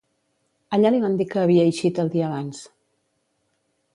Allà li van dir que havia ixit el dia abans.